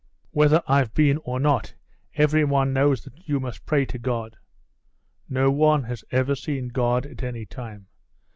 "Whether I've been or not, every one knows that you must pray to God." "No one has ever seen God at any time.